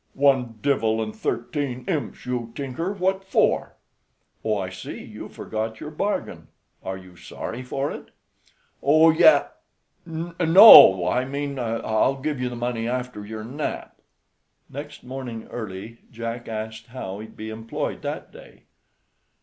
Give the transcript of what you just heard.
"One divil and thirteen imps, you tinker! what for?" "Oh, I see, you've forgot your bargain. Are you sorry for it?" "Oh, ya NO, I mean. I'll give you the money after your nap." Next morning early Jack asked how he'd be employed that day.